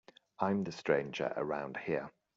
I'm the stranger around here.